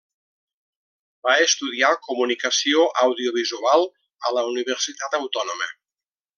Va estudiar Comunicació Audiovisual a la Universitat Autònoma.